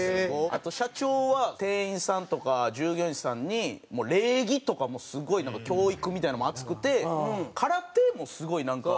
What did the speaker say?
あと社長は店員さんとか従業員さんに礼儀とかもすごい教育みたいなのも熱くて空手もすごいなんか。